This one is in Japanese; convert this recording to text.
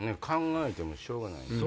考えてもしょうがない。